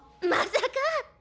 まさか！